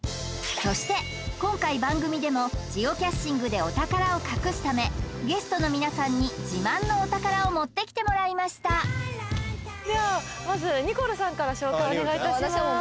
そして今回番組でもジオキャッシングでお宝を隠すためゲストの皆さんに自慢のお宝を持ってきてもらいましたではまずニコルさんから紹介お願いいたします